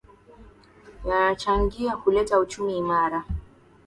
yanachangia kuleta uchumi imara